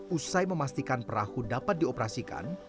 usai memastikan perahu dapat dioperasikan